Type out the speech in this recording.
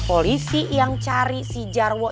polisi yang cari si jarwo